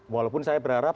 walaupun saya berharap